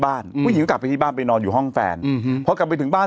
ผู้หญิงก็กลับไปที่บ้านไปนอนอยู่ห้องแฟนอืมพอกลับไปถึงบ้าน